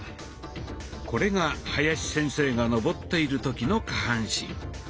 これが林先生が上っている時の下半身。